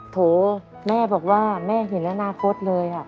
โถแม่บอกว่าแม่เห็นอนาคตเลย